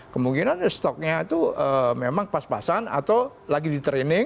kemungkinan stoknya itu memang pas pasan atau lagi di training